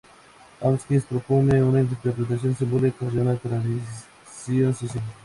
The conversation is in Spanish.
Hawkes propone una interpretación simbólica de una transición social.